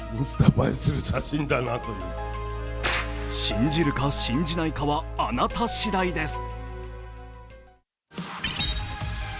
信じるか信じないかはあなたしだいです。